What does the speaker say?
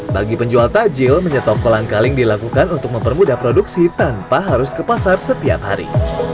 bagi penjual takjil menyetop kolang kaling dilakukan untuk mempermudah produksi tanpa harus ke pasar setiap hari